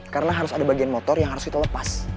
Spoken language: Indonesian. karena harus ada bagian motor yang harus kita lepas